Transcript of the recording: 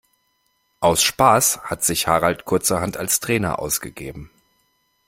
Aus Spaß hat sich Harald kurzerhand als Trainer ausgegeben.